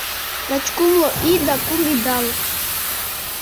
Лач кумло ий да кум идалык: